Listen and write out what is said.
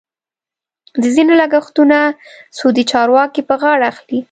د ځینو لګښتونه سعودي چارواکي په غاړه اخلي.